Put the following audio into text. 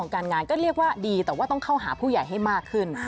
การงานก็เรียกว่าดีแต่ว่าต้องเข้าหาผู้ใหญ่ให้มากขึ้น